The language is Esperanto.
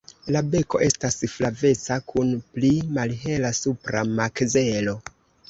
La beko estas flaveca kun pli malhela supra makzelo.